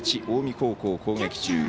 近江高校、攻撃中。